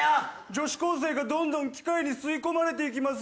女子高生がどんどん機械に吸い込まれていきます